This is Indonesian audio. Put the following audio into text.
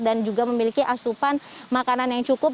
dan juga memiliki asupan makanan yang cukup